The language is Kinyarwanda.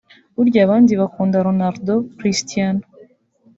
Burya abandi bakunda Ronaldo [Cristiano]